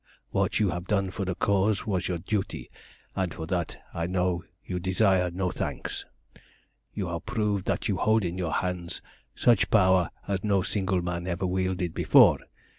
What you have done for the Cause was your duty, and for that I know that you desire no thanks. You have proved that you hold in your hands such power as no single man ever wielded before.